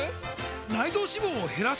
内臓脂肪を減らす！？